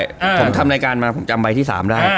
ผมทำรายการมาผมจำใบที่สามได้